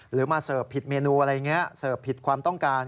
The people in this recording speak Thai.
หรือมาเสิร์ฟผิดเมนูอะไรอย่างนี้เสิร์ฟผิดความต้องการ